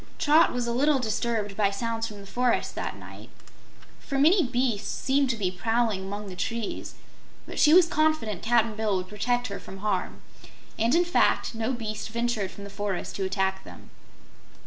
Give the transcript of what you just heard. Trot was a little disturbed by sounds from the forest, that night, for many beasts seemed prowling among the trees, but she was confident Cap'n Bill would protect her from harm. And in fact, no beast ventured from the forest to attack them.